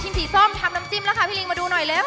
สีส้มทำน้ำจิ้มแล้วค่ะพี่ลิงมาดูหน่อยเร็ว